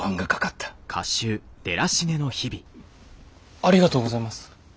ありがとうございます。